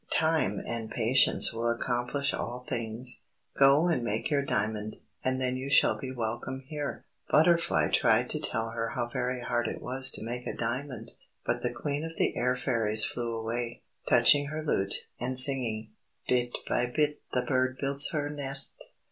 Time and patience will accomplish all things. Go and make your diamond, and then you shall be welcome here." Butterfly tried to tell her how very hard it was to make a diamond, but the Queen of the Air Fairies flew away, touching her lute, and singing: "_Bit by bit the bird builds her nest!